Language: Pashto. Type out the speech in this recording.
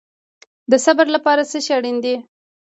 د صبر لپاره څه شی اړین دی؟